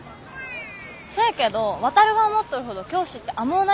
そやけど航が思っとるほど教師って甘うないからね。